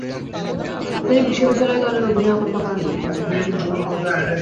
তিনি বিশ্ববিদ্যালয় দলের অধিনায়কত্ব করেন।